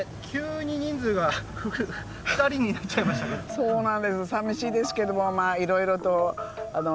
そうなんです。